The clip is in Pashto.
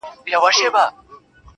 بيا دي ستني ډيري باندي ښخي کړې.